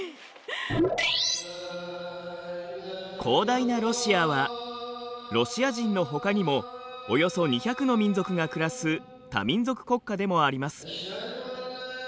広大なロシアはロシア人のほかにもおよそ２００の民族が暮らす多民族国家でもあります。